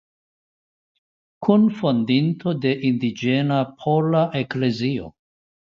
Kunfondinto de Indiĝena Pola Eklezio.